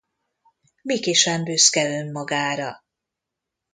Miki sem büszke önmagára.